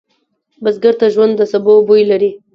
بزګر ته ژوند د سبو بوی لري